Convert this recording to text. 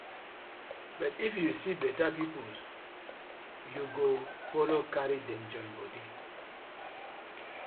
But if yu see beta pipus yu go follo karry dem join bodi.